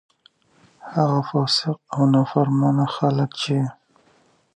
هغه فاسق او نا فرمانه خلک چې: